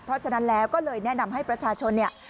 เพราะฉะนั้นแล้วก็เลยแนะนำให้ประชาชนเนี่ย